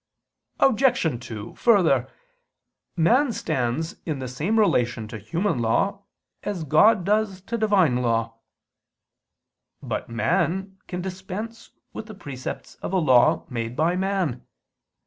Obj. 2: Further, man stands in the same relation to human law as God does to Divine law. But man can dispense with the precepts of a law made by man.